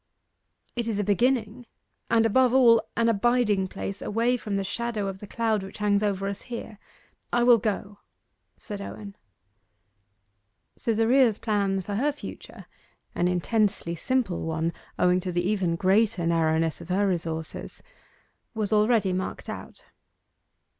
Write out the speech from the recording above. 'It is a beginning, and, above all, an abiding place, away from the shadow of the cloud which hangs over us here I will go,' said Owen. Cytherea's plan for her future, an intensely simple one, owing to the even greater narrowness of her resources, was already marked out.